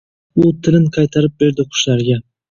U tilin qaytarib berdi qushlarga.